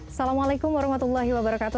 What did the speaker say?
assalamualaikum warahmatullahi wabarakatuh